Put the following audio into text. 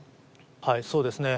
はいそうですね